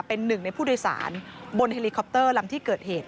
เป็นหนึ่งในผู้โดยสารบนเฮลิคอปเตอร์ลำที่เกิดเหตุ